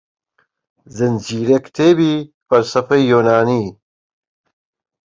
زنجیرەکتێبی فەلسەفەی یۆنانی